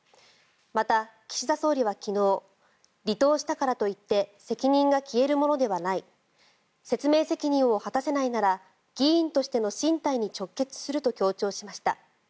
また、岸田総理は昨日離党したからといって責任が消えるものではない説明責任を果たせないなら議員としての進退に直結すると強調しました。